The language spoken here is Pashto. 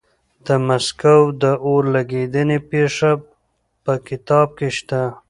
د مسکو د اور لګېدنې پېښه په کتاب کې شته.